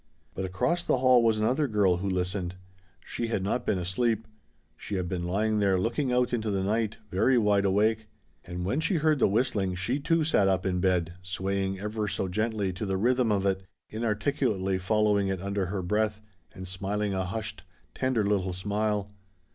But across the hall was another girl who listened. She had not been asleep. She had been lying there looking out into the night, very wide awake. And when she heard the whistling she too sat up in bed, swaying ever so gently to the rhythm of it, inarticulately following it under her breath and smiling a hushed, tender little smile.